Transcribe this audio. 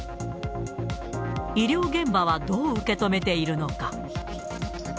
医療現場はどう受け止めているのか。